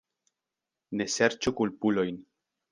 Ne serĉu kulpulojn.